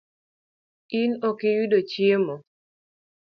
In ok iyudo chiemo?